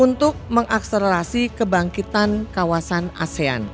untuk mengakselerasi kebangkitan kawasan asean